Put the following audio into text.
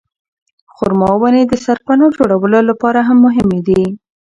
خورما ونې د سرپناه جوړولو لپاره هم مهمې دي.